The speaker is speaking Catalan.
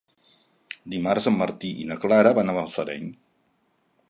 Dimarts en Martí i na Clara van a Balsareny.